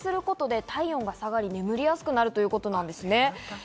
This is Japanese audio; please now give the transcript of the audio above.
背中から放熱することで体温が下がり、眠りやすくなるということなんですね。